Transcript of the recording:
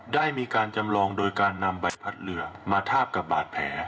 ได้มีการจำลองโดยการนำใบพัดเรือมาทาบกับบาดแผล